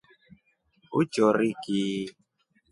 Uchori ki?